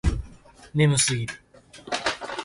眠すぎる